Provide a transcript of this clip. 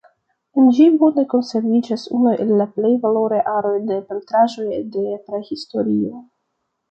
En ĝi bone konserviĝas unu el la plej valoraj aroj de pentraĵoj de Prahistorio.